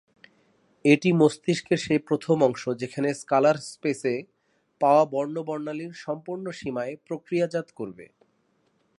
এটি মস্তিষ্কের সেই প্রথম অংশ যেখানে কালার স্পেস এ পাওয়া বর্ন বর্ণালির সম্পূর্ণ সীমায় প্রক্রিয়াজাত করবে।